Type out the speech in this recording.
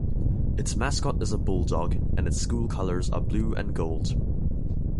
Its mascot is a Bulldog and its school colors are Blue and Gold.